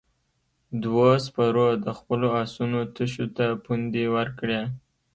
دوو سپرو د خپلو آسونو تشو ته پوندې ورکړې.